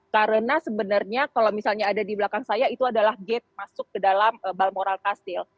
karena sebenarnya kalau misalnya ada di belakang saya itu adalah gate masuk ke dalam balmoral castle